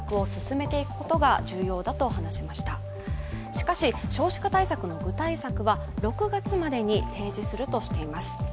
しかし少子化対策の具体策は６月までに提示するとしています。